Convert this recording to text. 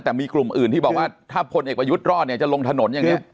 แต่มีกลุ่มอื่นที่บอกว่าถ้าพลเอกประยุทธ์รอดเนี่ยจะลงถนนอย่างนี้